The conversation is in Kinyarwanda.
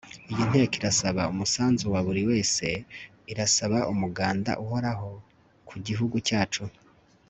Iyi ntego irasaba umusanzu wa buri wese irasaba umuganda uhoraho ku gihugu cyacu